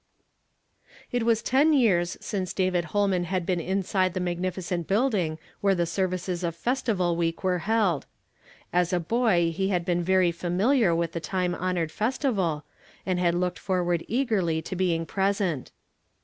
It was ten years since David llolman had been inside the magnilicent building where the services of Festival Week were held. As a boy he iiad been very familiar with the time honored festivab and had looked forward eagerly to being present.